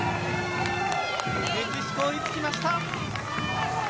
メキシコ、追いつきました。